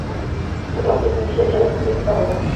দ্বিতীয় অংশে একটি নির্দিষ্ট বিষয়ে এবং দুই মিনিট কথা বলতে হয়।